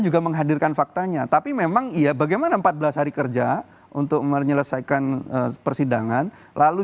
juga menghadirkan faktanya tapi memang iya bagaimana empat belas hari kerja untuk menyelesaikan persidangan lalu